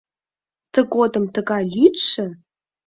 Тыгодым тугай лӱдшӧ...